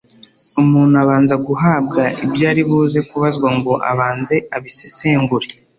umuntu abanza guhabwa ibyo ari buze kubazwa ngo abanze abisesengure.